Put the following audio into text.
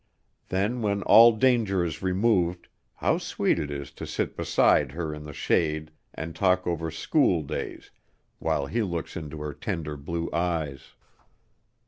Then when all danger is removed, how sweet it is to sit beside her in the shade and talk over schooldays while he looks into her tender blue eyes.